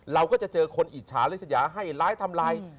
เราก็จะเจอคนอิจฉาริสยาให้ร้ายทำลาย